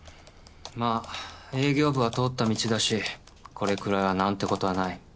まぁ営業部は通った道だしこれくらいはなんてことはない。